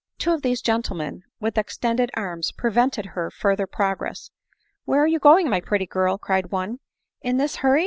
Two of these gentlemen, with extended arms, prevent ed her further progress. " Where are you going, my pretty girl," cried one, "in this hurry?